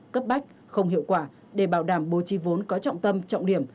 cấp bách không hiệu quả để bảo đảm bố trí vốn có trọng tâm trọng điểm